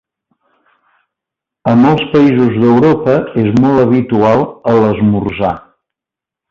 A molts països d'Europa és molt habitual a l'esmorzar.